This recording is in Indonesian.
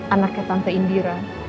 anaknya tante indira